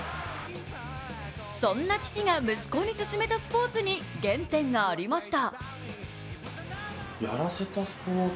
そんな父が息子に勧めたスポーツに原点がありました。